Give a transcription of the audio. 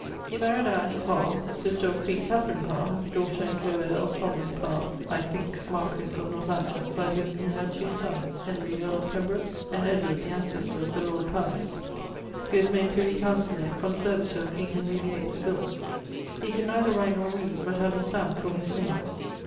He maried Par, sister of queen Katharine Par, daughter and co heire of Par (I thinke[FC], marquisse of Northampton), by whom he had 2 sonnes, Henry, earle of Pembroke, and the ancestor of the lord Powys. He was made Privy Councellor and conservator of King Henry the Eight'swill. He could neither write nor read, but had a stamp for his name.